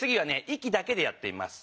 息だけでやってみます。